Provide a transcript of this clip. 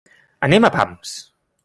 Anem a pams.